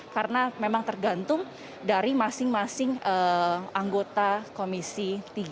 karena memang tergantung dari masing masing anggota komisi tiga